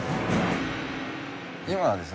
今ですね